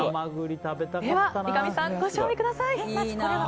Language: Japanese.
では三上さん、ご賞味ください。